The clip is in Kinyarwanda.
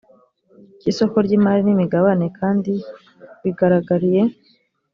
cy isoko ry imari n imigabane kandi bigaragariye